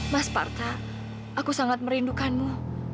mas parta aku sangat merindukanmu